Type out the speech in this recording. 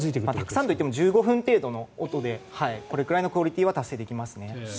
たくさんといっても１５分程度の音でこれくらいのクオリティーは達成できますね。